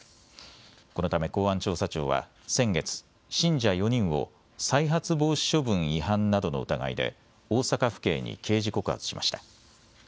このため公安調査庁は先月、信者４人を再発防止処分違反などの疑いで大阪府警に刑事告発しました。